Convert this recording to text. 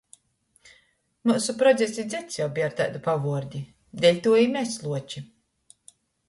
Myusu prodzeds i dzeds jau beja ar taidu pavuordi, deļtuo i mes Luoči.